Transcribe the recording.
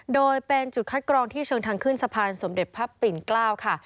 โดยเป็นจุดคัดกรองที่เชิงทางขึ้นสะพานสมเด็จพระปิ่นเกล้าค่ะ